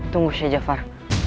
tunggu syed jafar